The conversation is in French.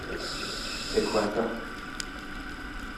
C’est quoi ça ?